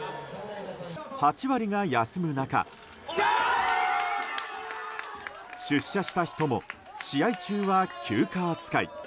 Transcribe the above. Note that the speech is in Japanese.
８割が休む中、出社した人も試合中は休暇扱い。